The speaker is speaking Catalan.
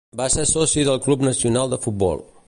Va ser soci del Club Nacional de Futbol.